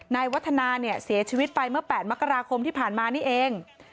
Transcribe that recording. นายวัฒนาเนี่ยเสียชีวิตไปเมื่อ๘มกราคมที่ผ่านมานี่เอง